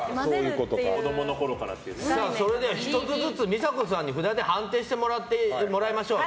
それでは１つずつ美佐子さんに札で判定してもらいましょう。